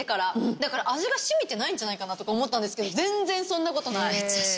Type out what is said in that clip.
だから味が染みてないんじゃないかなとか思ったんですけど全然そんなことない。